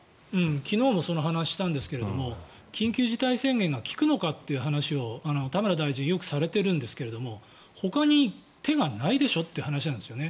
昨日もその話をしたんですが緊急事態宣言が効くのかという話を田村大臣はよくされているんですがほかに手がないでしょうという話なんですよね。